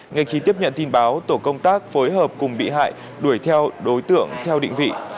ngay khi tiếp nhận tin báo tổ công tác phối hợp cùng bị hại đuổi theo đối tượng theo định vị